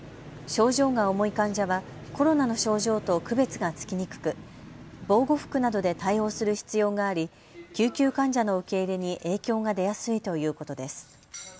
症状が重い患者はコロナの症状と区別がつきにくく防護服などで対応する必要があり救急患者の受け入れに影響が出やすいということです。